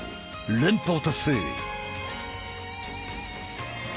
連覇を達成。